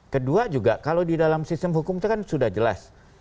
kedua juga kalau di dalam sistem hukum itu kan sudah jelas